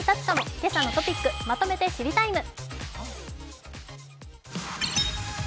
「けさのトピックまとめて知りＴＩＭＥ，」。